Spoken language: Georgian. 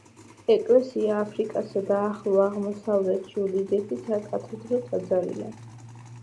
ეკლესია აფრიკასა და ახლო აღმოსავლეთში უდიდესი საკათედრო ტაძარია.